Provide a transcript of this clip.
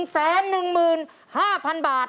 ๑แสน๑หมื่น๕พันบาท